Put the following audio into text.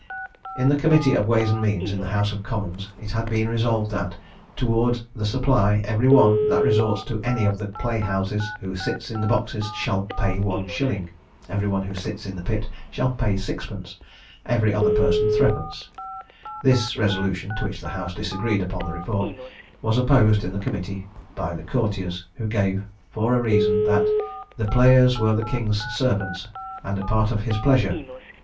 In the committee of ways and means, in the House of Commons, it had been resolved that, towards the supply, every one that resorts to any of the playhouses, who sits in the boxes, shall pay one shilling; every one who sits in the pit shall pay sixpence; and every other person threepence. This resolution (to which the House disagreed upon the report) was opposed in the committee by the courtiers, who gave for a reason "That the players were the king's servants, and a part of his pleasure."